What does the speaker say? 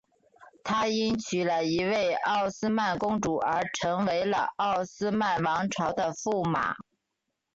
他因娶了一位奥斯曼公主而成为了奥斯曼王朝的驸马。